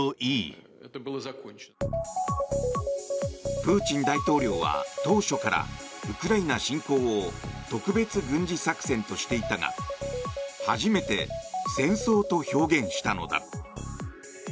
プーチン大統領は当初からウクライナ侵攻を特別軍事作戦としていたが初めて戦争と表現したのだ。